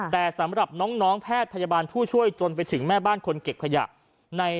แต่สำหรับน้องแพทย์พยาบาลผู้ช่วยจนไปถึงแม่บ้านคนเก็บขยะ